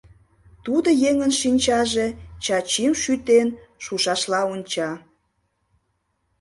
Тудо еҥын шинчаже Чачим шӱтен шушашла онча.